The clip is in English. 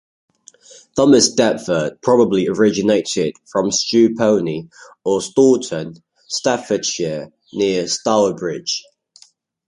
Thomas Dadford probably originated from Stewponey or Stourton, Staffordshire near Stourbridge.